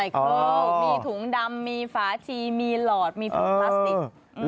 เคิลมีถุงดำมีฝาชีมีหลอดมีถุงพลาสติก